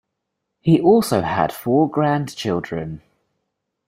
He also had four grandchildren.